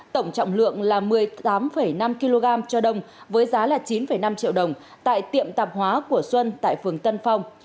tổng trọng lượng là một mươi tám năm kg cho đông với giá là chín năm triệu đồng tại tiệm tạp hóa của xuân tại phường tân phong